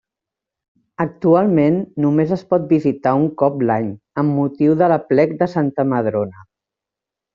Actualment només es pot visitar un cop l'any, amb motiu de l'aplec de Santa Madrona.